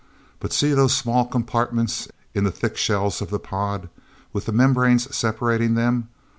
But see those small compartments in the thick shells of the pod with the membranes separating them?